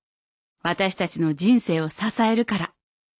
私たちの人生を支えるから」